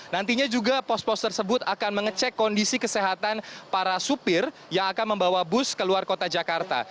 nantinya juga pos pos tersebut akan mengecek kondisi kesehatan para supir yang akan membawa bus ke luar kota jakarta